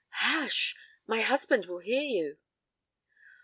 'Hush! My husband will hear you.'